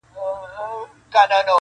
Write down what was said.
ساقي زده له صراحي مي د زړه رازکی,